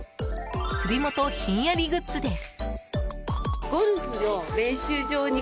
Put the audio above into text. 首元ひんやりグッズです。